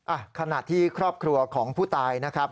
อ่ะขณะที่ครอบครัวของผู้ตายนะครับ